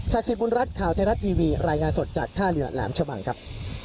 สิทธิบุญรัฐข่าวไทยรัฐทีวีรายงานสดจากท่าเรือแหลมชะบังครับ